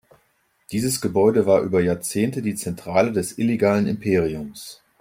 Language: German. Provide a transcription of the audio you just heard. Dieses Gebäude war über Jahrzehnte die Zentrale des illegalen Imperiums.